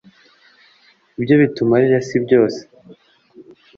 ibyo bitumarira si byose